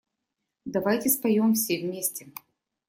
Давайте споем все вместе.